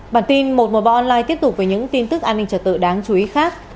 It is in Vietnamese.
bản tin một một bộ online tiếp tục với những tin tức an ninh trật tự đáng chú ý khác